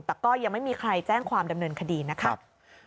แต่ก็ยังไม่มีใครแจ้งความดำเนินคดีนะครับ